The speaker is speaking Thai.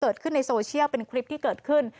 เกิดขึ้นในโซเชียลเป็นคลิปที่เกิดขึ้น